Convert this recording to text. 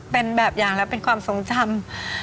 เป็นแบบอย่างแล้วเป็นความทรงจำ